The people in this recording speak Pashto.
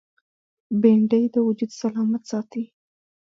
بېنډۍ د وجود سلامت ساتي